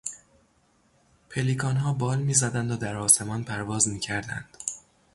پلیکانها بال میزدند و در آسمان پرواز میکردند.